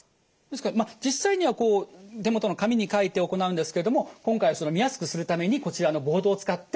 ですが実際にはこう手元の紙に書いて行うんですけれども今回は見やすくするためにこちらのボードを使って行います。